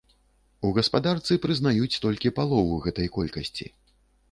У гаспадарцы прызнаюць толькі палову гэтай колькасці.